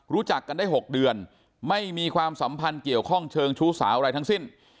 รู้จักกันได้๖เดือนไม่มีความสัมพันธ์เกี่ยวข้องเชิงชู้สาวอะไรทั้งสิ้น